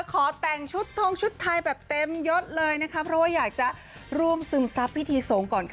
ขอแต่งชุดทงชุดไทยแบบเต็มยกเลยนะครับเพราะอยากจะร่วมซึมทรัพย์พิธีสงค์ก่อน